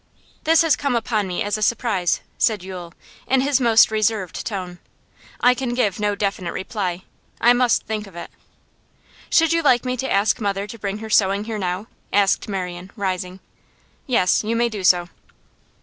'This has come upon me as a surprise,' said Yule, in his most reserved tone. 'I can give no definite reply; I must think of it.' 'Should you like me to ask mother to bring her sewing here now?' asked Marian, rising. 'Yes, you may do so.